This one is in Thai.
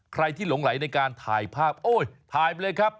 ใครที่หลงไหลในการถ่ายภาพโอ้ยถ่ายไปเลยครับ